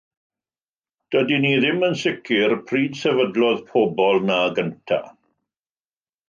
Dydyn ni ddim yn sicr pryd y sefydlodd pobl yno gyntaf.